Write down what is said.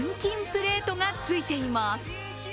プレートがついています。